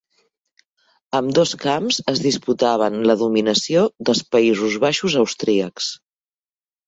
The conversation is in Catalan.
Ambdós camps es disputaven la dominació dels Països Baixos austríacs.